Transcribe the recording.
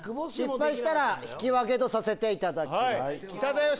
失敗したら引き分けとさせていただきます。